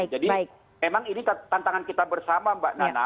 jadi memang ini tantangan kita bersama mbak nana